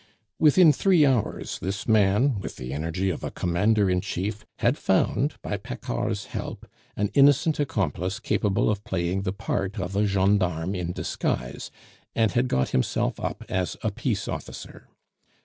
Within three hours this man, with the energy of a Commander in Chief, had found, by Paccard's help, an innocent accomplice capable of playing the part of a gendarme in disguise, and had got himself up as a peace officer.